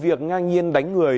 vụ việc ngang nhiên đánh người